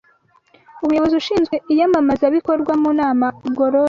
Umuyobozi ushinzwe iyamamazabikorwa, Munana Goloriya